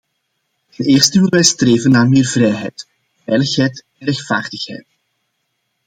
Ten eerste willen wij streven naar meer vrijheid, veiligheid en rechtvaardigheid.